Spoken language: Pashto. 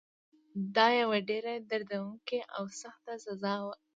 دا یوه ډېره دردونکې او سخته سزا وه.